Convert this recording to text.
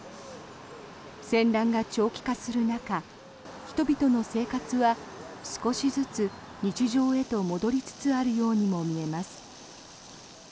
戦乱が長期化する中人々の生活は少しずつ日常へと戻りつつあるようにも見えます。